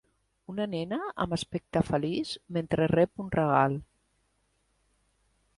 Una nena amb aspecte feliç mentre rep un regal.